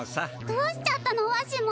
どうしちゃったのわしも。